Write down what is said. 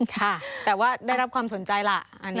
ค่ะแต่ว่าได้รับความสนใจล่ะ